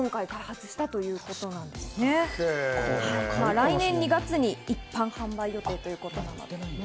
来年２月に一般販売予定ということです。